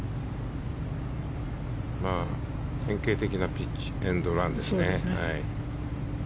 典型的なピッチエンドランですね。